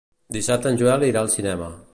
Dissabte en Joel irà al cinema.